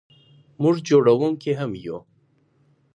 موږ جوړونکي هم یو.